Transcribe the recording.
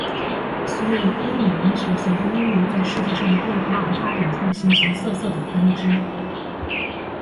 所以英语文学随着英语在世界上的变化而发展出了形形色色的分支。